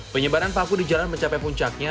penyebaran paku di jalan mencapai puncaknya